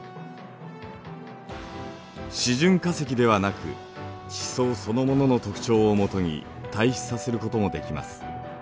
示準化石ではなく地層そのものの特徴をもとに対比させることもできます。